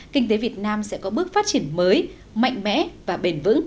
kinh tế việt nam sẽ có bước phát triển mới mạnh mẽ và bền vững